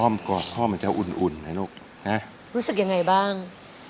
อ้อมกอดพ่อมันจะอุ่นนะลูกรู้สึกยังไงบ้าง